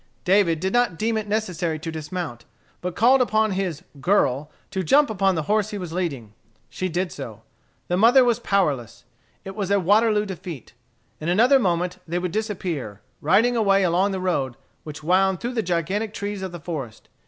David did not deem it necessary to dismount, but called upon his "girl" to jump upon the horse he was leading. She did so. The mother was powerless. It was a waterloo defeat. In another moment they would disappear, riding away along the road, which wound through the gigantic trees of the forest.